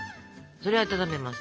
それを温めます。